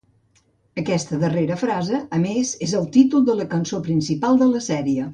Aquesta darrera frase, a més, és el títol de la cançó principal de la sèrie.